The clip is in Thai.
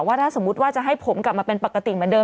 ถ้าสมมุติว่าจะให้ผมกลับมาเป็นปกติเหมือนเดิ